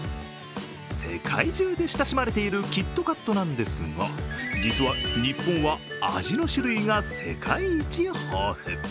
世界中で親しまれるキットカットなんですが、実は、日本は味の種類が世界一豊富。